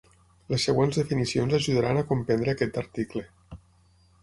Les següents definicions ajudaran a comprendre aquest article.